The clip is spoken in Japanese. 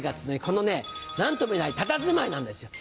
このね何ともいえないたたずまいなんですよ。